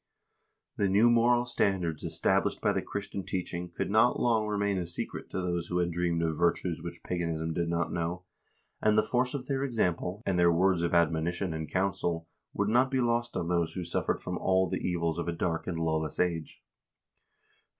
The new moral standards established by the Christian teaching could not long re main a secret to those who had dreamed of virtues which paganism did not know, and the force of their example, and their words of admonition and counsel would not be lost on those who suffered from all the evils of a dark and lawless age.